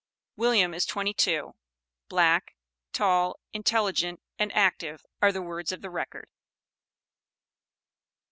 "William is twenty two, black, tall, intelligent, and active," are the words of the record.